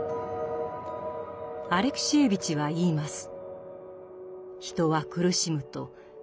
アレクシエーヴィチは言います。